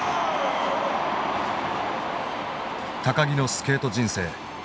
木のスケート人生。